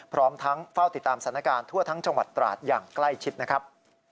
พร้อมทั้งเฝ้าติดตามสถานการณ์ทั่วทั้งจังหวัดตราดอย่างใกล้ชิดนะครับ